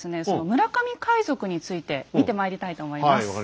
その村上海賊について見てまいりたいと思います。